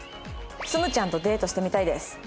「つむちゃんとデートしてみたいです」。